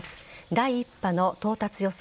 第１波の到達予想